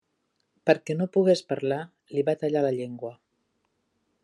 Perquè no pogués parlar li va tallar la llengua.